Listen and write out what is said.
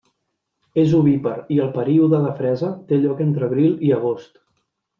És ovípar i el període de fresa té lloc entre abril i agost.